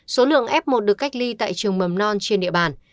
số lượng f một được cách ly tại trường mầm non trên địa bàn